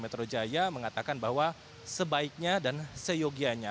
pemprov dki jakarta mengatakan bahwa sebaiknya dan seyogianya